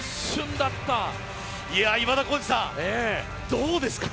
今田耕司さん、どうですか？